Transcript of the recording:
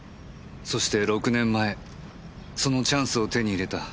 そして６年前そのチャンスを手に入れた。